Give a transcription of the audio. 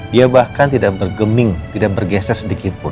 dia bahkan tidak bergeming tidak bergeser sedikitpun